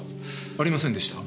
ありませんでした。